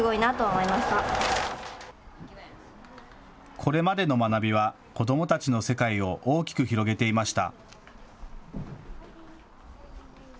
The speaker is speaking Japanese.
これまでの学びは子どもたちの世界を大きく広げていました。